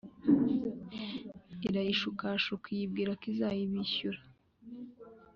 irayishukashuka, iyibwira ko izabiyishyura